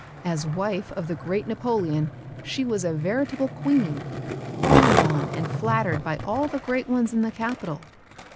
As wife of the great Napoleon she was a veritable Queen, fawned on and flattered by all the great ones in the capital.